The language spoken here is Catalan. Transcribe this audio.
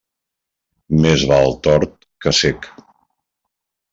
Més val tort que cec.